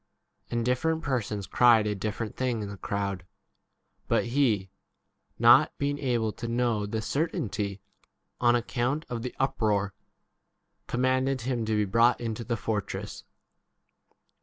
And different persons cried a different thing in the crowd. But he, not being able to know the certainty on account of the uproar, commanded him to be 35 brought into the fortress.